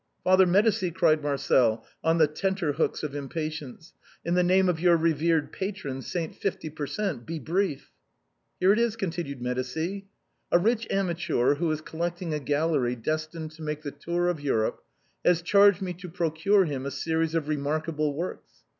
" Father Medicis," cried Marcel, on the tenter hooks of impatience, " in the name of your reverend patron, St. Fif ty per cent., be brief !"" Here it is," continued Medicis ;" a rich amateur, who is collecting a gallery destined to make the tour of Europe, has charged me to procure him a series of remarkable works.